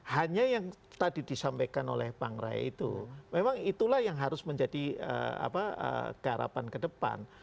hanya yang tadi disampaikan oleh bang ray itu memang itulah yang harus menjadi garapan ke depan